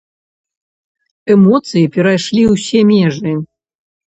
Эмоцыі перайшлі ўсе межы.